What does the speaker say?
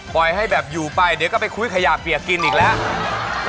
ปล่อยให้แบบอยู่ไปเดี๋ยวก็ไปคุยขยะเปียกกินอีกแล้ว